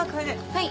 はい。